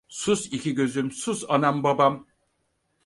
Sus iki gözüm, sus anam babam!